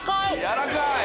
やわらかい？